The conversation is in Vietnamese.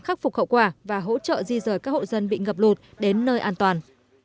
khắc phục khẩu quả và hỗ trợ di rời các hộ dân bị ngập lụt đến nơi an toàn